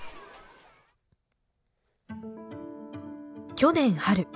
去年春。